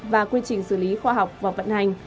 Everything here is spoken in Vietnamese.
và quy trình xử lý khoa học và vận hành